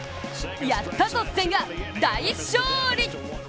やったぞ千賀、大勝利！